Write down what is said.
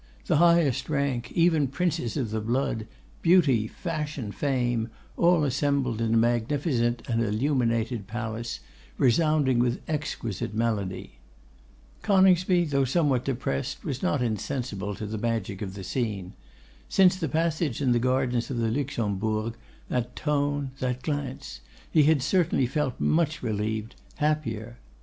The highest rank, even Princes of the blood, beauty, fashion, fame, all assembled in a magnificent and illuminated palace, resounding with exquisite melody. Coningsby, though somewhat depressed, was not insensible to the magic of the scene. Since the passage in the gardens of the Luxembourg, that tone, that glance, he had certainly felt much relieved, happier.